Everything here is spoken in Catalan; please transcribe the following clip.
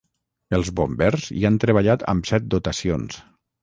Els bombers hi han treballat amb set dotacions.